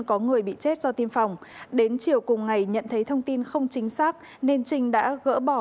có người bị chết do tiêm phòng đến chiều cùng ngày nhận thấy thông tin không chính xác nên trinh đã gỡ bỏ